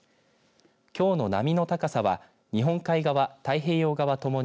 きょうの波の高さは日本海側、太平洋側ともに